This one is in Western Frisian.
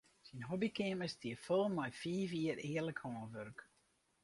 Syn hobbykeamer stiet fol mei fiif jier earlik hânwurk.